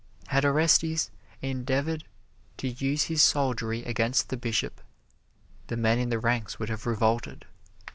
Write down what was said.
Had Orestes endeavored to use his soldiery against the Bishop, the men in the ranks would have revolted.